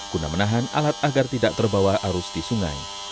guna menahan alat agar tidak terbawa arus di sungai